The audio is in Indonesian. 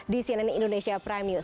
di sinen indonesia prime